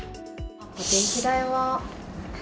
電気代は。